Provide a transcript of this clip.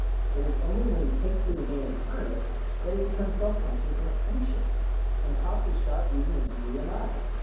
It is only when he takes to the game in earnest that he becomes self conscious and anxious, and tops his shots even as you and I.